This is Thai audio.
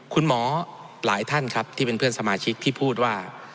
คุณหมอหลายท่านครับที่เป็นเพื่อนสมาชิกที่พูดว่า